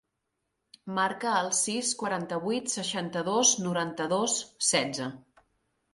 Marca el sis, quaranta-vuit, seixanta-dos, noranta-dos, setze.